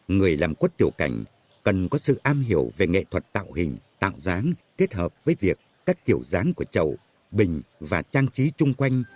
người làm quất tiểu cành cần có sự am hiểu về nghệ thuật tạo hình tạo dáng kết hợp với việc các kiểu dáng của chậu bình và trang trí chung quanh